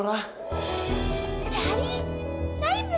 daddy daddy beneran sakit